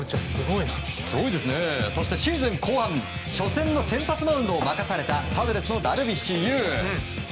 シーズン後半初戦の先発マウンドを任されたパドレスのダルビッシュ有。